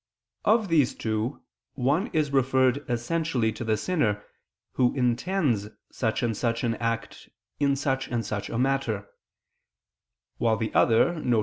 Of these two, one is referred essentially to the sinner, who intends such and such an act in such and such matter; while the other, viz.